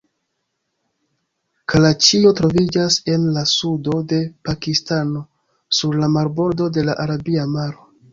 Karaĉio troviĝas en la sudo de Pakistano, sur la marbordo de la Arabia Maro.